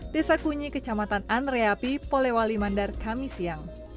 desa kunyi kecamatan anreapi polewali mandar kamisiyang